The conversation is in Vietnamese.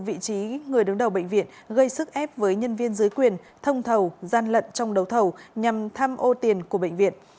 vị trí người đứng đầu bệnh viện gây sức ép với nhân viên dưới quyền thông thầu gian lận trong đấu thầu nhằm tham ô tiền của bệnh viện